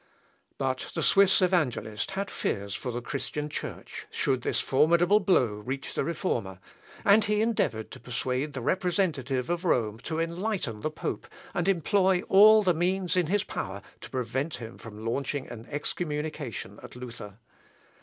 " But the Swiss evangelist had fears for the Christian Church, should this formidable blow reach the Reformer, and he endeavoured to persuade the representative of Rome to enlighten the pope, and employ all the means in his power to prevent him from launching an excommunication at Luther.